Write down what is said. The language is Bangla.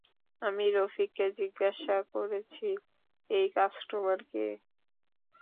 আমি রফিককে জিজ্ঞাসা করেছি, এই কাস্টমার কে?